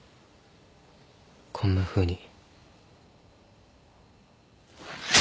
こんなふうに。